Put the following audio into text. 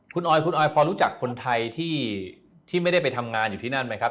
คุณออยคุณออยพอรู้จักคนไทยที่ไม่ได้ไปทำงานอยู่ที่นั่นไหมครับ